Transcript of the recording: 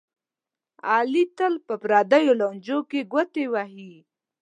علي تل په پردیو لانجو کې ګوتې وهي.